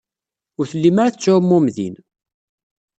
Ur tellim ara tettɛumum din.